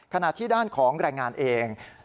ขณะที่ด้านของแรงงานเอง